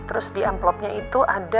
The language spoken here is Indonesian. terus di amplopnya itu ada